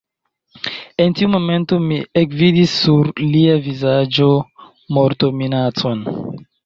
En tiu momento mi ekvidis sur lia vizaĝo mortominacon.